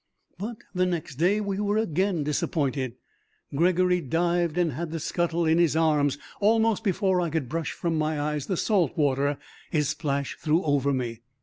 But the next day we were again disappointed. Gregory dived and had the scuttle in his arms almost before I could brush from my eyes the salt water his splash threw over me.